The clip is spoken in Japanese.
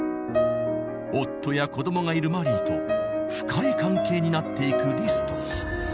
夫やこどもがいるマリーと深い関係になっていくリスト。